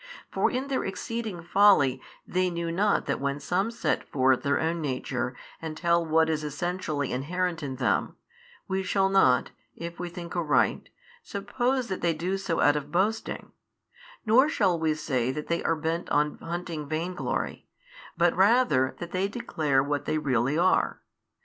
For in their exceeding folly they knew not that when some set forth their own nature and tell what is essentially inherent in them, we shall not, if we think aright, suppose that they do so out of boasting, nor shall we say that they are bent on hunting vain glory, but rather that they declare what they really are.